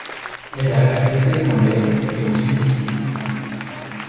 Elle a accepté dans les qui ont suivi.